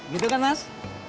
gitu kan mas